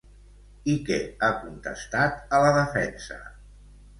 I què ha contestat a la defensa?